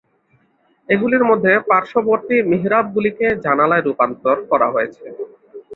এগুলির মধ্যে পার্শ্ববর্তী মিহরাবগুলিকে জানালায় রূপান্তর করা হয়েছে।